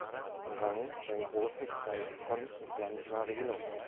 Rang beim Großen Preis von San Marino.